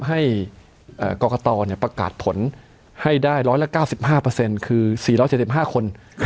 ให้กรกฎประกาศผลให้ได้๑๙๕เปอร์เซ็นต์คือ๔๗๕คน